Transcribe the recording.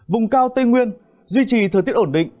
vùng cao tây nguyên duy trì thời tiết ổn định